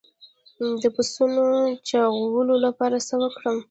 د پسونو د چاغولو لپاره څه ورکړم؟